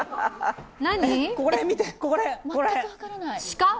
これ見て、これ。鹿？